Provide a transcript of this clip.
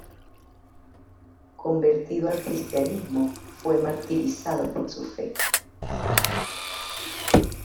Convertido al cristianismo, fue martirizado por su fe.